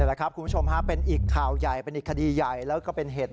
แหละครับคุณผู้ชมฮะเป็นอีกข่าวใหญ่เป็นอีกคดีใหญ่แล้วก็เป็นเหตุ